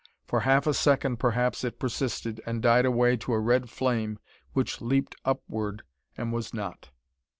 For half a second, perhaps, it persisted, and died away to a red flame which leaped upward and was not.